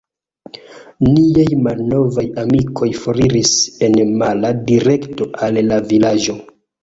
Niaj malnovaj amikoj foriris en mala direkto al la vilaĝo.